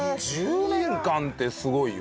１０年間ってすごいよ。